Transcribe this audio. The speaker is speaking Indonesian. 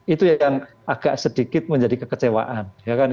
itu yang agak sedikit menjadi kekecewaan